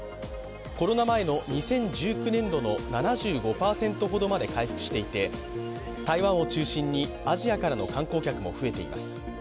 コロナ前の２０１９年度の７５％ほどまで回復していて台湾を中心にアジアからの観光客も増えています。